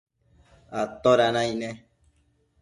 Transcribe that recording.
¿atoda naic ne?